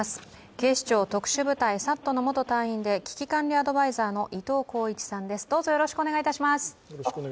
警視庁特殊部隊、ＳＡＴの元隊員で危機管理アドバイザーの伊藤鋼一さんです。